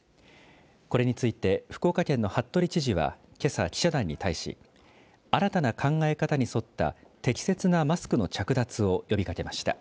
これについて福岡県の服部知事はけさ記者団に対し新たな考え方に沿った適切なマスクの着脱を呼びかけました。